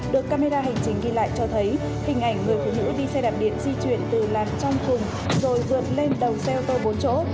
được camera hành trình ghi lại cho thấy hình ảnh người phụ nữ đi xe đạp điện di chuyển từ làn trong cùng rồi rột lên đầu xe ô tô bốn chỗ